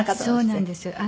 そうなんです。